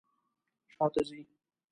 شاته ځئ